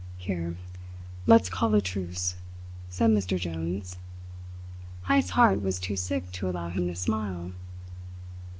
"Here! Let's call a truce!" said Mr. Jones. Heyst's heart was too sick to allow him to smile.